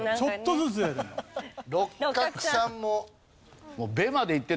六角さんも。